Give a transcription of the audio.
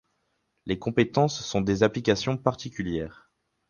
Les compétences sont des applications particulières.